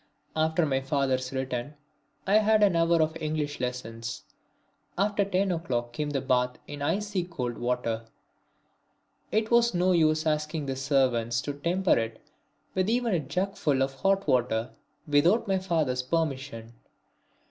After my father's return I had an hour of English lessons. After ten o'clock came the bath in icy cold water; it was no use asking the servants to temper it with even a jugful of hot water without my father's permission.